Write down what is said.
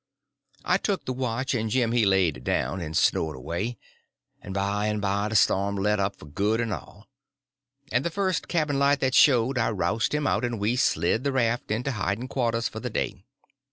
I took the watch, and Jim he laid down and snored away; and by and by the storm let up for good and all; and the first cabin light that showed I rousted him out, and we slid the raft into hiding quarters for the day.